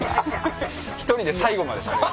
１人で最後までしゃべる。